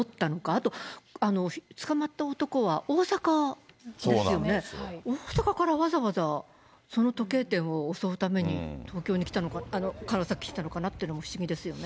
あと、捕まった男は大阪ですよね、大阪からわざわざその時計店を襲うために、東京に来たのか、川崎来たのかっていうのも不思議ですよね。